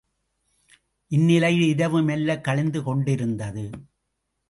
இந்நிலையில் இரவு மெல்ல கழிந்து கொண்டிருந்தது.